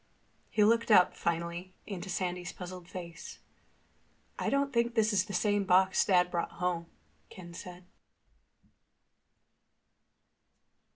He looked up, finally, into Sandy's puzzled face. "I don't think this is the same box Dad brought home," Ken said.